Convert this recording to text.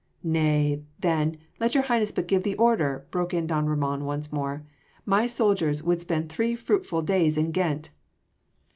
"Nay, then, let your Highness but give the order," broke in don Ramon once more, "my soldiers would spend three fruitful days in Ghent."